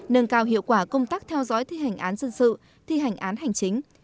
nâng cao hiệu quả công tác theo dõi thi hành án dân sự thi hành án hành chính